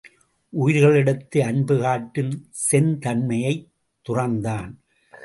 உயிர்களிடத்து அன்பு காட்டும் செந்தண்மையைத் துறந்தான்.